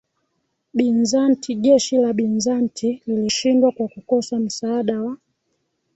Bizanti Jeshi la Bizanti lilishindwa kwa kukosa msaada wa